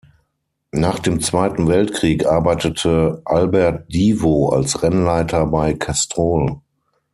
Nach dem Zweiten Weltkrieg arbeitete Albert Divo als Rennleiter bei Castrol.